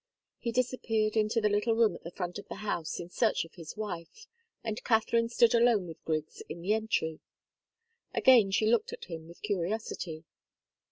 He disappeared into the little room at the front of the house in search of his wife, and Katharine stood alone with Griggs in the entry. Again she looked at him with curiosity.